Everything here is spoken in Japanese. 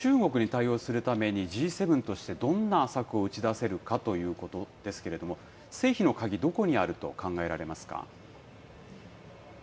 今回の焦点、覇権主義的な行動を強める中国に対応するため、Ｇ７としてどんな策を打ち出せるかということですけれども、成否の鍵、どこにあると考えられますか。